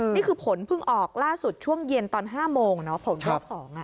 นี่คือผลเพิ่งออกล่าสุดช่วงเย็นตอน๕โมงผลโควิดยัง๒